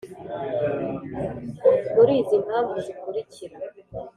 muri izi mpamvu zikurikira